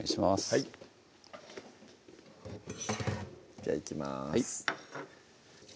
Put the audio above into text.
はいじゃあいきます